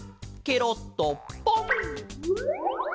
ケロッとポン！